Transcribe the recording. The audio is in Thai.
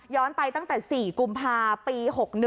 ไปตั้งแต่๔กุมภาปี๖๑